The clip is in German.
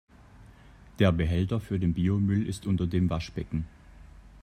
Der Behälter für den Biomüll ist unter dem Waschbecken.